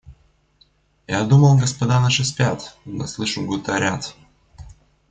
Я думал, господа наши спят, да слышу гуторят.